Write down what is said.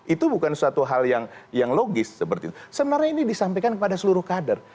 itu bukan suatu hal yang logis seperti itu sebenarnya ini disampaikan kepada seluruh kader